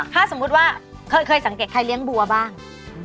ถ้าสมมุติว่าเคยสังเกตใครเลี้ยงบัวบ้าง